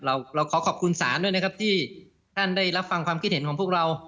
เราขอขอบคุณศาลด้วยนะครับที่ท่านได้รับฟังความคิดเห็นของพวกเรา